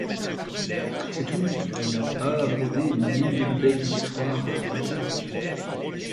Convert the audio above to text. C'est tout, il n'y a pas à broder, ni de belles histoires à inventer.